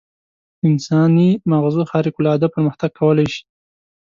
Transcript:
انساني ماغزه خارق العاده پرمختګ کولای شي.